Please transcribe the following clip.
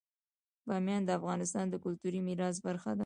بامیان د افغانستان د کلتوري میراث برخه ده.